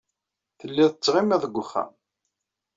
Telliḍ tettɣimiḍ deg wexxam.